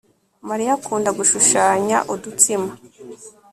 Mariya akunda gushushanya udutsima